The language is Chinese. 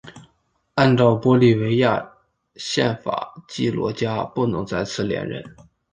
按照玻利维亚宪法基罗加不能再次连任。